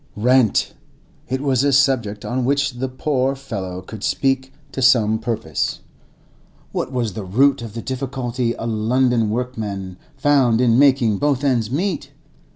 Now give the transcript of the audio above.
Rent!—it was a subject on which the poor fellow could speak to some purpose. What was the root of the difficulty a London workman found in making both ends meet?